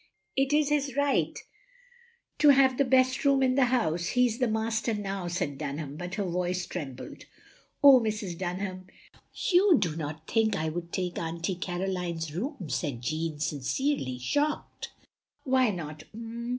"It is his right to have the best room in the house. He 's the master now, " said Dunham, but her voice trembled. " Oh, Mrs. Dunham, you do not think I would take Aunt Caroline's room," said Jeanne, sin cerely shocked. "Why not 'm?